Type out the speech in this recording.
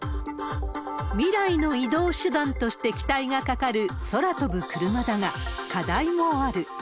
未来の移動手段として期待がかかる、空飛ぶクルマだが、課題もある。